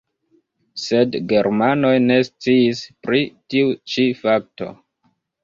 Sed germanoj ne sciis pri tiu ĉi fakto.